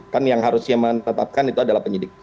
kan yang harusnya menetapkan itu adalah penyidik